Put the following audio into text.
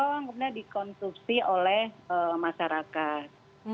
kemudian dikonsumsi oleh masyarakat